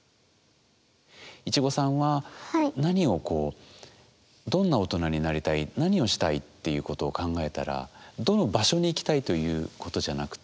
いちごさんは何をこうどんな大人になりたい何をしたいっていうことを考えたらどの場所に行きたいということじゃなくて。